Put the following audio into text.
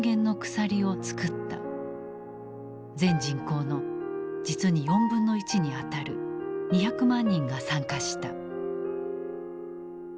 全人口の実に４分の１に当たる２００万人が参加した。